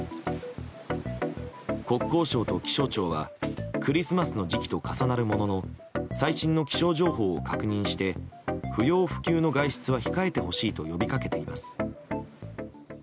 国交省と気象庁はクリスマスの時期と重なるものの最新の気象情報を確認して不要不急の外出は控えてほしいと呼びかけています。